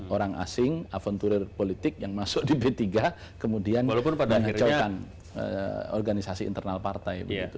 orang asing aventurir politik yang masuk di b tiga kemudian mengecohkan organisasi internal partai